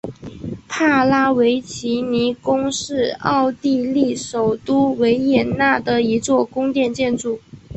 帕拉维奇尼宫是奥地利首都维也纳的一座宫殿建筑。